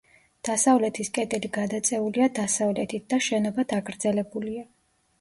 დასავლეთის კედელი გადაწეულია დასავლეთით და შენობა დაგრძელებულია.